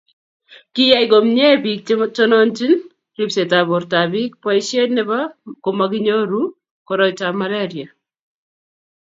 kiyai komye biik che tononchini ribsetab bortabiik boisiet nebo komakinyoru koroitab malaria.